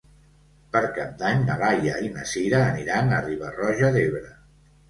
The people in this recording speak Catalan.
Per Cap d'Any na Laia i na Sira aniran a Riba-roja d'Ebre.